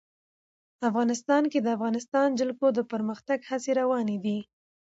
افغانستان کې د د افغانستان جلکو د پرمختګ هڅې روانې دي.